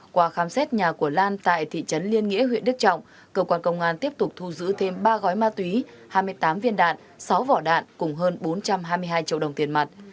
qua khám xét nhà của lan tại thị trấn liên nghĩa huyện đức trọng cơ quan công an tiếp tục thu giữ thêm ba gói ma túy hai mươi tám viên đạn sáu vỏ đạn cùng hơn bốn trăm hai mươi hai triệu đồng tiền mặt